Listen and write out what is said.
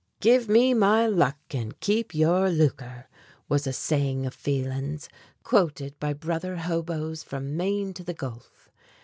"Give me my luck, and keep your lucre!" was a saying of Phelan's, quoted by brother hoboes from Maine to the Gulf.